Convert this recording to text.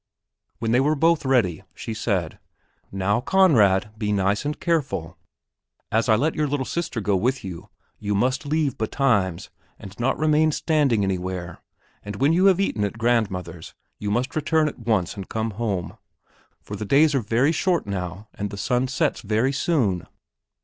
When they were both ready she said: "Now, Conrad, be nice and careful. As I let your little sister go with you, you must leave betimes and not remain standing anywhere, and when you have eaten at grandmother's you must return at once and come home; for the days are very short now and the sun sets very soon."